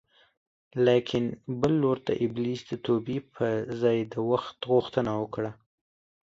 لاکن بل لور ته ابلیس د توبې په ځای د وخت غوښتنه وکړه